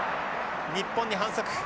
日本に反則。